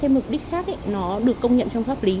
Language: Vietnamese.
mục đích khác nó được công nhận trong pháp lý